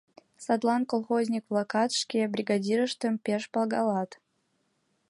Садлан колхозник-влакат шке бригадирыштым пеш пагалат.